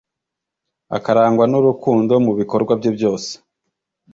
akarangwa n’urukundo mu bikorwa bye byose